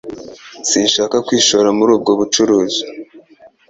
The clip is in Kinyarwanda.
Sinshaka kwishora muri ubwo bucuruzi.